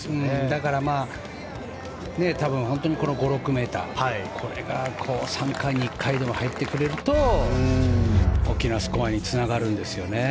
だから、多分本当にこの５６ｍこれが３回に１回でも入ってくれると大きなスコアにつながるんですよね。